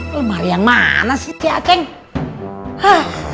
lemari yang mana sih si aceh